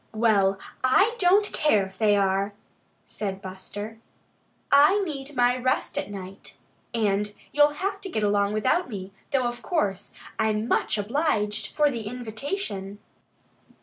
"Well, I don't care if they are," said Buster. "I need my rest at night. And you'll have to get along without me, though of course, I'm much obliged for the invitation."